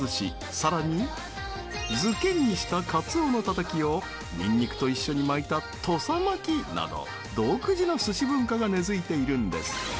さらに漬けにしたカツオのたたきをにんにくと一緒に巻いた「土佐巻き」など独自の寿司文化が根付いているんです。